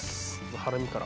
ハラミから。